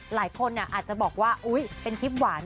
หลายคนอาจจะบอกว่าอุ๊ยเป็นคลิปหวาน